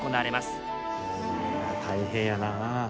大変やな。